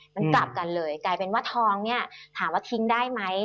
มันกลับกันเลยกลายเป็นว่าทองเนี่ยถามว่าทิ้งได้ไหม